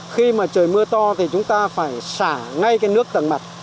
khi mà trời mưa to thì chúng ta phải xả ngay cái nước tầng mặt